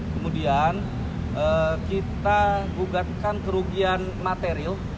kemudian kita gugatkan kerugian material